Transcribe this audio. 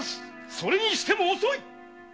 それにしても遅い！